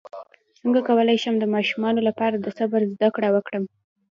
څنګه کولی شم د ماشومانو لپاره د صبر زدکړه ورکړم